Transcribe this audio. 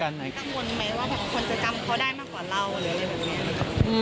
กังวลไหมว่าแบบคนจะจำเขาได้มากกว่าเราหรืออะไรแบบนี้